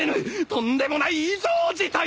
とんでもない異常事態だ！